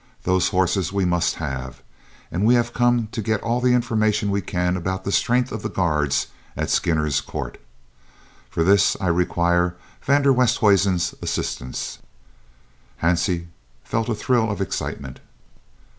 Those horses we must have, and we have come to get all the information we can about the strength of the guards at Skinner's Court. For this I require van der Westhuizen's assistance." Hansie felt a thrill of excitement.